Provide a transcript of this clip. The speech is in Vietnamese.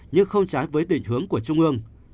nhưng không trái với định hướng của trung ương